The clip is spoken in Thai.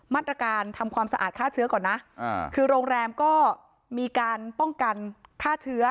มาตรการทำความสะอาดฆ่าเชื้อก่อนนะคือโรงแรมก็มีการป้องกันฆ่าเชื้อ